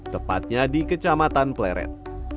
tepatnya di kecamatan pleret